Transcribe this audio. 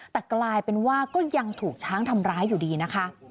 แต่กลายเป็นว่าก็ยังถูกช้างทำร้ายอยู่ดีนะคะ